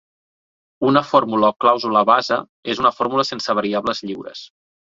Una fórmula o clàusula base és una fórmula sense variables lliures.